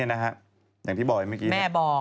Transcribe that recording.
อย่างที่บอกเมื่อกี้แม่บอก